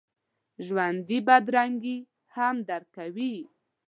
ژوندي بدرنګي هم درک کوي